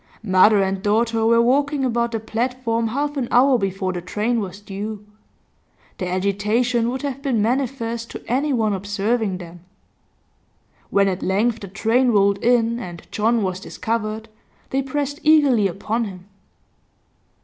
Mother and daughter were walking about the platform half an hour before the train was due; their agitation would have been manifest to anyone observing them. When at length the train rolled in and John was discovered, they pressed eagerly upon him.